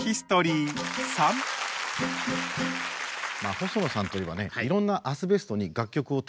細野さんといえばいろんなアスベストに楽曲を提供します。